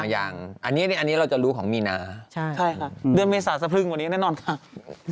ยังอันนี้เราจะรู้ของมีนาเดือนเมษาสะพรึงวันนี้แน่นอนค่ะ